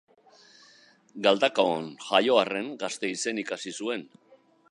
Galdakaon jaio arren, Gasteizen ikasi zuen.